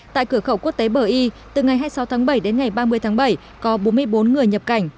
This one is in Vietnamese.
tại cửa khẩu quốc tế bờ y từ ngày hai mươi sáu tháng bảy đến ngày ba mươi tháng bảy có bốn mươi bốn người nhập cảnh